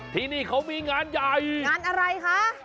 ที่นี่เขามีงานใหญ่งานอะไรคะ